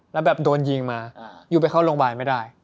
แล้วแบบโดนยิงมายูไปเข้าโรงพยาบาลไม่ได้